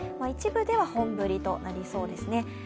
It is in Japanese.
一部では本降りとなりそうですね。